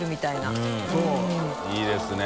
佑いいですね。